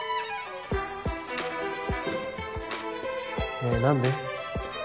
ねぇ何で？